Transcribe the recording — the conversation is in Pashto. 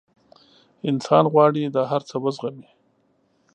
انسان غواړي دا هر څه وزغمي.